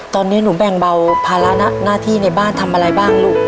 ตอนนี้หนูแบ่งเบาภาระหน้าที่ในบ้านทำอะไรบ้างลูก